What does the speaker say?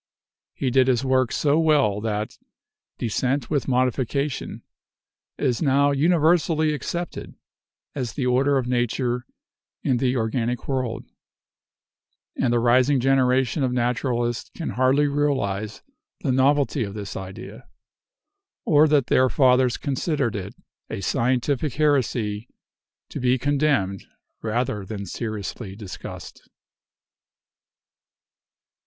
He did his work so well that "descent with modification" is now universally accepted as the order of nature in the organic world; and the rising generation of naturalists can hardly realize the novelty of this idea, or that their fathers considered it a scientific heresy to be condemned rather than seriously discussed.